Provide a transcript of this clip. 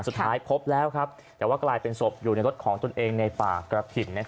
สุดท้ายพบแล้วแต่ว่ากลายเป็นศพอยู่ในรถของตนเองในป่ากระถิ่น